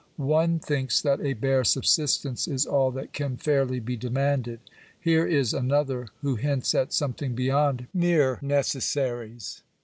One thinks that a bare subsistence is all that can fairly be demanded. Here is another who hints at something beyond mere necessaries.